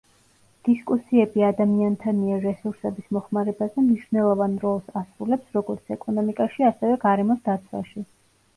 დისკუსიები ადამიანთა მიერ რესურსების მოხმარებაზე მნიშვნელოვან როლს ასრულებს როგორც ეკონომიკაში, ასევე გარემოს დაცვაში.